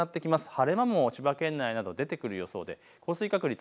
晴れ間も千葉県内出てくる予想で降水確率